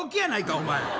お前。